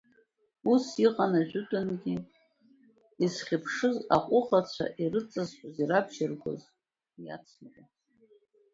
Ус иҟан ажәытәынгьы, изхьыԥшыз аҟәыӷацәа ирыҵарҳәоз, ирабжьыргоз иацныҟәон.